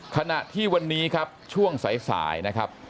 ขณะที่วันนี้ครับช่วงสายนะครับ